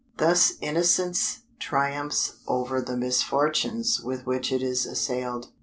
Thus innocence triumphs over the misfortunes with which it is assailed.